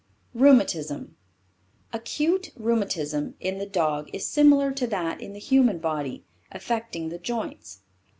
RHEUMATISM. Acute rheumatism in the dog is similar to that in the human body, effecting the joints.